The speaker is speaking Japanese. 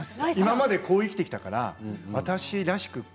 今までこう生きてきたから私らしく